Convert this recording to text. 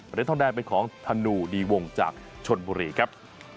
เหรียญทองแดงเป็นของธนูดีวงจากชนบุรีครับ